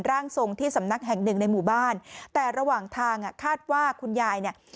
ร่างทรงที่สำนักแห่งหนึ่งในหมู่บ้านแต่ระหว่างทางอ่ะคาดว่าคุณยายเนี่ย